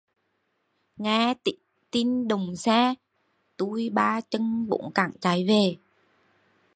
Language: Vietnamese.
Nghe tin đụng xe, tui ba chưn bốn cẳng chạy về